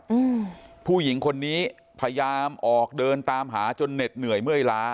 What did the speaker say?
อืมผู้หญิงคนนี้พยายามออกเดินตามหาจนเหน็ดเหนื่อยเมื่อยล้า